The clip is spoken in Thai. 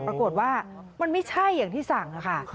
ปรากฏว่ามันไม่ใช่อย่างที่สั่งค่ะ